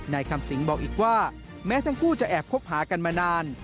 คำสิงบอกอีกว่าแม้ทั้งคู่จะแอบคบหากันมานาน